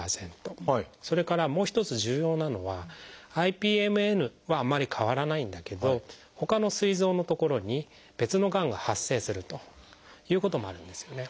それからもう一つ重要なのはＩＰＭＮはあんまり変わらないんだけどほかのすい臓の所に別のがんが発生するということもあるんですよね。